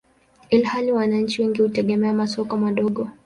ilhali wananchi wengi hutegemea masoko madogo.